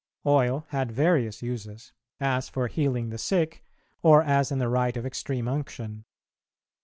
Oil had various uses, as for healing the sick, or as in the rite of extreme unction.